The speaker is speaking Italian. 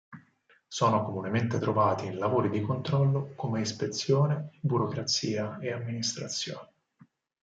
Sono comunemente trovati in lavori di controllo come ispezione, burocrazia ed amministrazione.